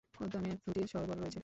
উদ্যানে দুটি সরোবর রয়েছে।